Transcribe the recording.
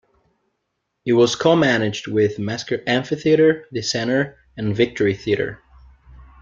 It was co-managed with Mesker Amphitheatre, The Centre, and Victory Theatre.